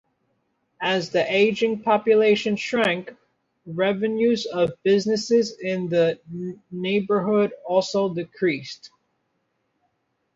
As the ageing population shrank, revenues of businesses in the neighbourhood also decreased.